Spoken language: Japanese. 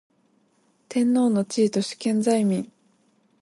天皇の地位と主権在民